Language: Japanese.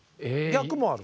逆もある？